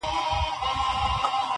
پیسه داره بس واجب د احترام دي,